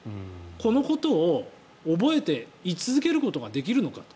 このことを覚えてい続けることができるのかと。